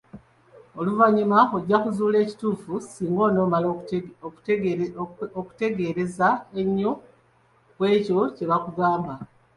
Oluvannyuma ojja kuzuula ekituufu singa onoomala okutegereza ennyo ku ekyo kye bakugamba.